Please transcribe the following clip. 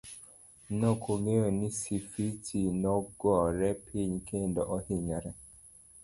Nokongeyo ni Sifichi nogore piny kendo ohinyore.